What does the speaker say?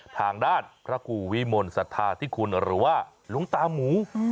ทางดาสพระกู่วิมลสัทธาทิคุณหรือว่าหลวงตามู